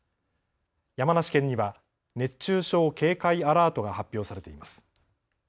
山梨県には熱中症警戒アラートが発表されています。